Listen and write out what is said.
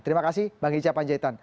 terima kasih bang ica panjaitan